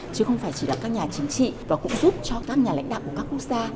chứ không phải chỉ là các nhà chính trị và cũng giúp cho các nhà lãnh đạo của các quốc gia